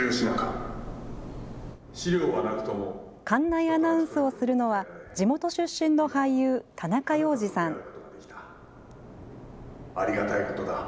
館内アナウンスをするのは、地元出身の俳優、田中要次さん。